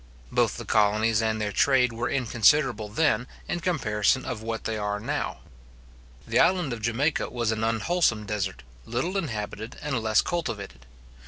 Both the colonies and their trade were inconsiderable then, in comparison of what they are how. The island of Jamaica was an unwholesome desert, little inhabited, and less cultivated.